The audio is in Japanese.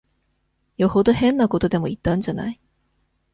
よほど変なことでも言ったんじゃない。